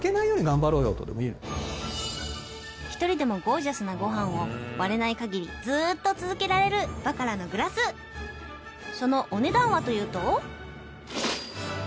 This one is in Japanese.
１人でもゴージャスなごはんを割れない限りずっと続けられるバカラのグラスそのお値段はというと？